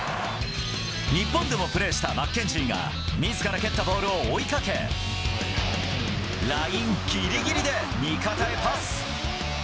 日本でもプレーしたマッケンジーが、みずから蹴ったボールを追いかけ、ラインぎりぎりで味方へパス。